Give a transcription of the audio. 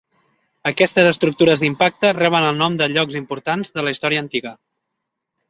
Aquestes estructures d'impacte reben el nom de llocs importants de la història antiga.